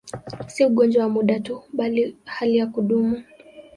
Si ugonjwa wa muda tu, bali hali ya kudumu.